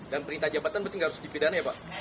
dan perintah jabatan berarti nggak harus dipindahin ya pak